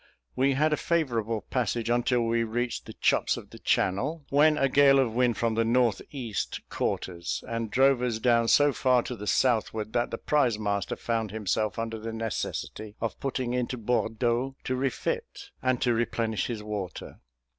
We had a favourable passage until we reached the chops of the channel, when a gale of wind from the north east caught us, and drove us down so far to the southward that the prize master found himself under the necessity of putting into Bordeaux to refit, and to replenish his water.